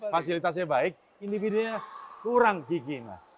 fasilitasnya baik individunya kurang gigi mas